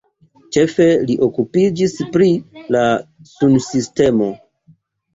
Ĉefe li okupiĝis pri la sunsistemo.